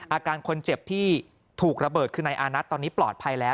อาการคนเจ็บที่ถูกระเบิดคือนายอานัทตอนนี้ปลอดภัยแล้ว